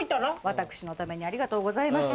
私のためにありがとうございます。